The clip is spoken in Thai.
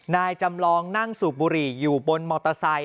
นายจำลองนั่งสูบบุหรี่อยู่บนมอเตอร์ไซค